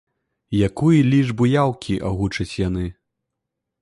Якую лічбу яўкі агучаць яны?